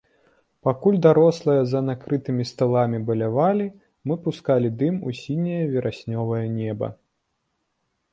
Пакуль дарослыя за накрытымі сталамі балявалі, мы пускалі дым у сіняе вераснёвае неба.